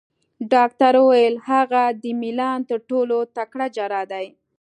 ډاکټر وویل: هغه د میلان تر ټولو تکړه جراح دی.